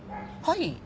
はい。